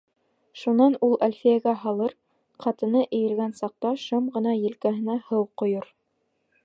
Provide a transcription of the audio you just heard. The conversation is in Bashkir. Шунан ул Әлфиәгә һалыр, ҡатыны эйелгән саҡта, шым ғына елкәһенә һыу ҡойор.